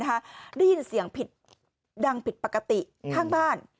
ได้ยินเสียงผิดดังผิดปกติข้างบ้าน